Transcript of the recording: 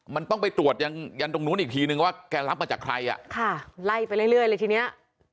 มันต้องไปตรวจยังยันตรงนู้นอีกทีนึงว่าแกรับมาจากใครอ่ะค่ะไล่ไปเรื่อยเลยทีเนี้ย